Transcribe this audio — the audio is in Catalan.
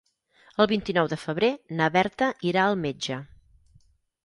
El vint-i-nou de febrer na Berta irà al metge.